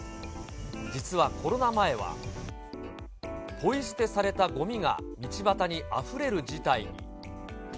実はコロナ前は、ぽい捨てされたごみが道端にあふれる事態に。